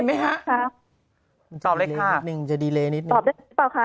ไม่ใช่ค่ะ